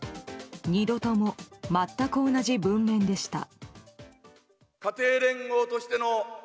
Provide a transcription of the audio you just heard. ２度とも全く同じ文面でした。